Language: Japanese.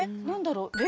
何だろう。